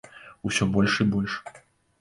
Усё больш і больш.